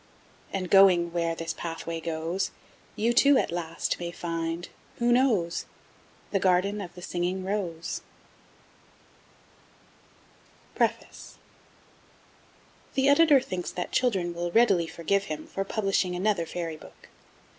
And going where this pathway goes, You too, at last, may find, who knows? The Garden of the Singing Rose. PREFACE The Editor thinks that children will readily forgive him for publishing another Fairy Book.